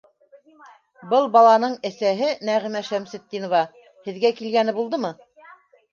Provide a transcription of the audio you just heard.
- Был баланың әсәһе, Нәғимә Шәмсетдинова, һеҙгә килгәне булдымы?